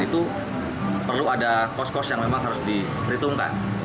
itu perlu ada cost cost yang memang harus diperhitungkan